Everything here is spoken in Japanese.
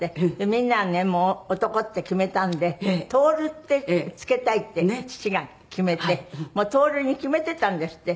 みんながねもう男って決めたんで「徹」って付けたいって父が決めてもう「徹」に決めてたんですって。